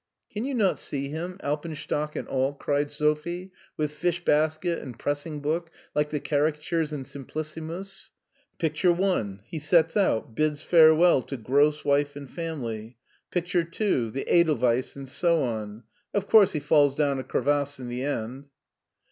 " Can you not see him, alpenstock and all ?cried Sophie, '^ with fish basket and pressing book, like the caricatures in Simplicissimus ! Picture one — ^he sets out, bids farewell to gross wife and family; picture two — the edelweiss, and so on. Of course he falls down a crevasse in the end."